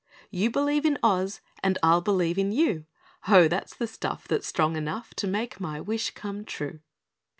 _ _You believe in Oz and I'll believe in YOU Ho, that's the stuff that's strong enough To make my wish come true.